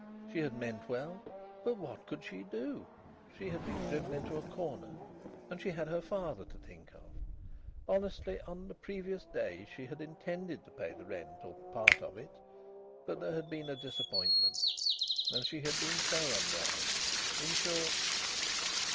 She had meant well. But what could she do? She had been driven into a corner. And she had her father to think of! Honestly, on the previous day, she had intended to pay the rent, or part of it. But there had been a disappointment! And she had been so unwell. In short...